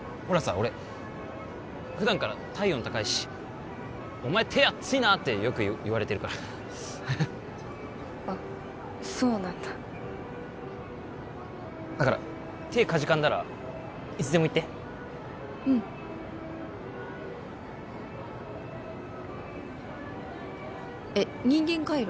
俺普段から体温高いしお前手熱いなってよく言われてるからあっそうなんだだから手かじかんだらいつでも言ってうんえっ人間カイロ？